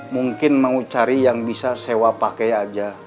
mungkin mau cari yang bisa sewa pakai aja